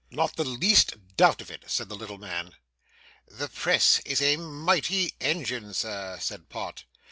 'Not the least doubt of it,' said the little man. 'The press is a mighty engine, sir,' said Pott. Mr.